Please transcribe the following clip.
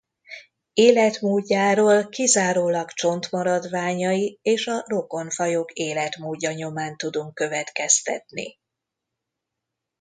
Életmódjáról kizárólag csontmaradványai és a rokon fajok életmódja nyomán tudunk következtetni.